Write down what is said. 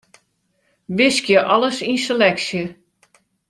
Wiskje alles yn seleksje.